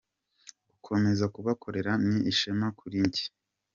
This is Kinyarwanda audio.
Gukomeza kubakorera ni ishema kuri njye".